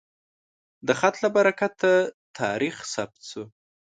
د خط له برکته تاریخ ثبت شو.